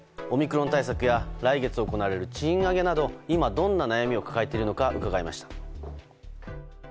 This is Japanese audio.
オミクロン対策や来月行われる賃上げなど今どんな悩みを抱えているのか伺いました。